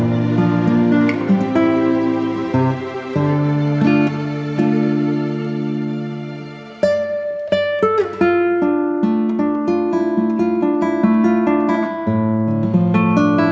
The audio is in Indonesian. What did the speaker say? syam deshalb tamu di rumah gelap malamnya